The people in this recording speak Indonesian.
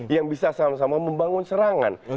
yang bisa sama sama membangun serangan